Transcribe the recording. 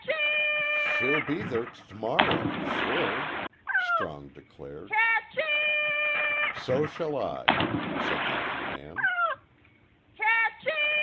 "She'll be there t to morrer sure," Strong declared. "So shall I," said the young man.